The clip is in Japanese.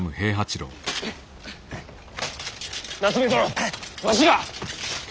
夏目殿わしが！